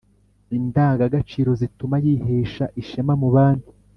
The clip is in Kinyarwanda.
indangagaciro zituma yihesha ishema mu bandi